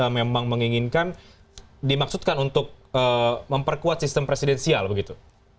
memang menginginkan dimaksudkan untuk memperkuat sistem presidensial begitu